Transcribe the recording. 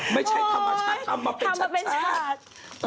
ไม่ใช่ทำมาชาติทำมาเป็นชาติ